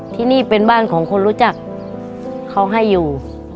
ที่นี่เป็นบ้านของคนรู้จักเขาให้อยู่